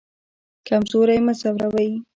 کمزوری مه ځوروئ